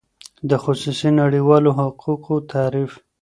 د خصوصی نړیوالو حقوقو تعریف :